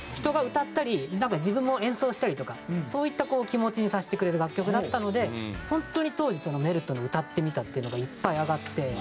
人が歌ったりなんか自分も演奏したりとかそういった気持ちにさせてくれる楽曲だったので本当に当時『メルト』の「歌ってみた」っていうのがいっぱい上がって。